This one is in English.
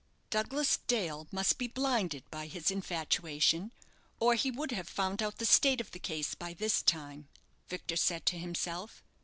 "Douglas Dale must be blinded by his infatuation, or he would have found out the state of the case by this time," Victor said to himself.